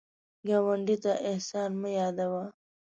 ګاونډي ته احسان مه یادوه